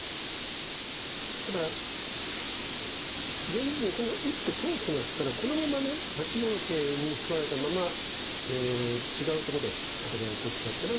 ただ現実にこの一歩損してますからこのままね８五の桂に居座られたまま違うとこで戦いが起こっちゃうってのはね